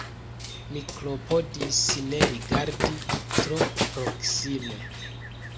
Mi klopodis ne rigardi tro proksime.